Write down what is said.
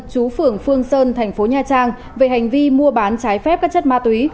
chú phường phương sơn thành phố nha trang về hành vi mua bán trái phép các chất ma túy